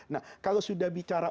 nah kalau sudah bicara